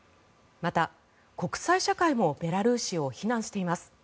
また、国際社会もベラルーシを非難しています。